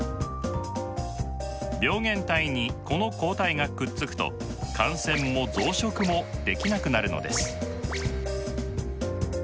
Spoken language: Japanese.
病原体にこの抗体がくっつくと感染も増殖もできなくなるのです。